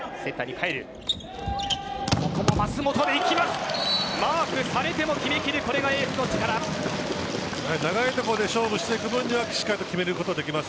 ここも舛本でいきます。